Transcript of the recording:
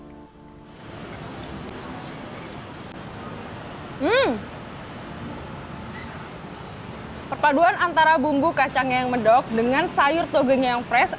hmm perpaduan antara bumbu kacangnya yang medok dengan sayur togengnya yang fresh